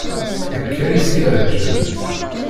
Akka i s-iεǧeb.